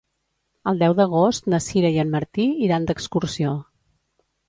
El deu d'agost na Sira i en Martí iran d'excursió.